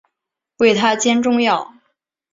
为她煎中药